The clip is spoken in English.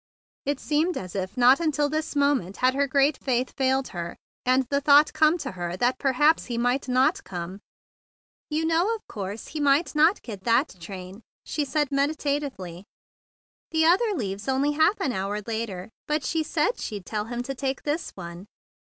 It would seem as if not until this moment had her great faith failed her, and the thought come to her that perhaps he might not come. "You know, of course, he might not 16 THE BIG BLUE SOLDIER get that train/' she said meditatively. "The other leaves only half an hour later. But she said she'd tell him to take this one."